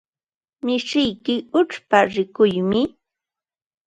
Mishiyki uchpa rikuqmi.